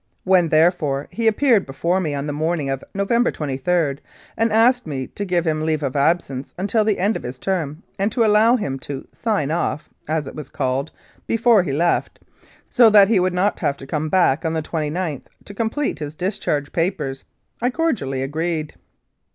When, therefore, he appeared before me on the morning of November 23, and asked me to give him leave of absence until the end of his term, and to allow him to "sign off," as it was called, before he left, so that he would not have to come back on the 2gth to complete his discharge papers, I cordially agreed.